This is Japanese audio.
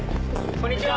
こんにちは。